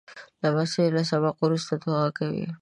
لمسی له سبق وروسته دعا کوي.